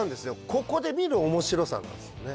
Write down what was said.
ここで見る面白さなんですよね